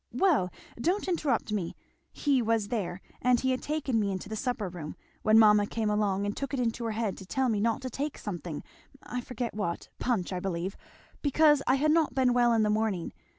"Well don't interrupt me! he was there, and he had taken me into the supper room, when mamma came along and took it into her head to tell me not to take something I forget what punch, I believe, because I had not been well in the morning.